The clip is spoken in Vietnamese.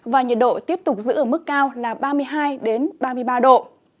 và nhiệt độ tiếp tục giữ ở mức cao là ba mươi hai ba mươi ba độ